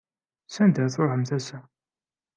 S anda ara truḥemt ass-a?